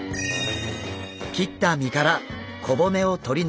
切った身から小骨を取りのぞきます。